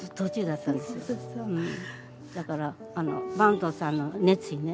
だから坂東さんの熱意ね